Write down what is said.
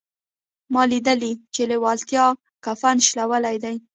ما لیدلي چې لېوالتیا کفن شلولی دی